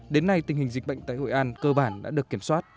đến nay tình hình dịch bệnh tại hội an cơ bản đã được kiểm soát